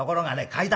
階段